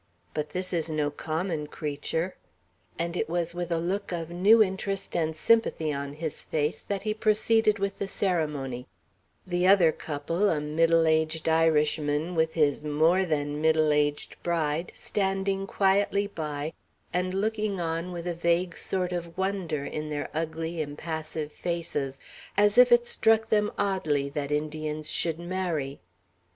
But this is no common creature;" and it was with a look of new interest and sympathy on his face that he proceeded with the ceremony, the other couple, a middle aged Irishman, with his more than middle aged bride, standing quietly by, and looking on with a vague sort of wonder in their ugly, impassive faces, as if it struck them oddly that Indians should marry.